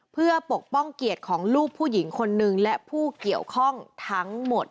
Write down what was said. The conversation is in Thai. เพื่อปกป้องเกียรติของลูกผู้หญิงคนนึงและผู้เกี่ยวข้องทั้งหมด